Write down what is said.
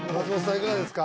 いかがですか？